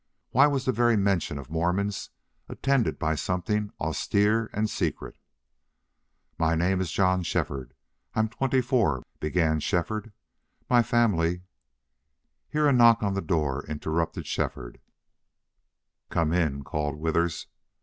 Why was the very mention of Mormons attended by something austere and secret? "My name is John Shefford. I am twenty four," began Shefford. "My family " Here a knock on the door interrupted Shefford. "Come in," called Withers.